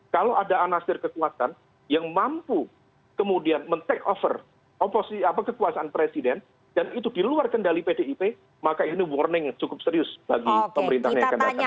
kalau ada anasir kekuatan yang mampu kemudian men take over kekuasaan presiden dan itu di luar kendali pdip maka ini warning cukup serius bagi pemerintah yang akan datang